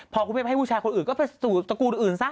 พอคุณแม่ไปให้ผู้ชายคนอื่นก็ไปสู่ตระกูลอื่นซะ